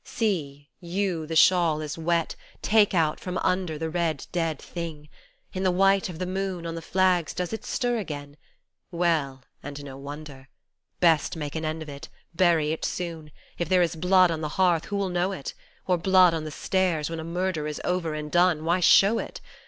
See, you, the shawl is wet, take out from under The red dead thing . In the white of the moon On the flags does it stir again ? Well, and no wonder ! Best make an end of it ; bury it soon. If there is blood on the hearth who'll know it ? Or blood on the stairs, When a murder is over and done why show it